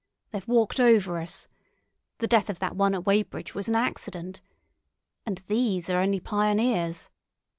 They've walked over us. The death of that one at Weybridge was an accident. And these are only pioneers.